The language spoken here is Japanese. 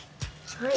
はい。